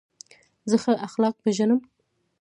زه ښه اخلاق پېژنم.